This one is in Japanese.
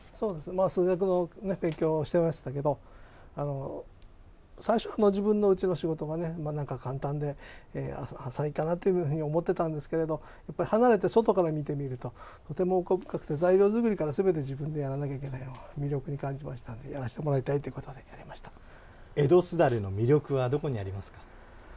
数学の勉強をしてましたけど最初の自分の、うちの仕事がね簡単で遊びかなというふうに思ってたんですけれど離れて外から見てみるととても細かくて、材料作りからすべて自分でやらなきゃいけないことが魅力に感じましたのでやらせてもらいたいということで江戸簾の魅力はどこにありますか？